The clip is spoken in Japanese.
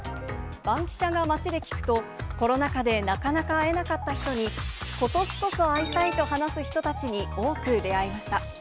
バンキシャが街で聞くと、コロナ禍でなかなか会えなかった人に、ことしこそ会いたいと話す人たちに多く出会いました。